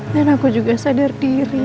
dan aku juga sadar diri